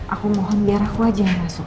aku mohon biar aku aja masuk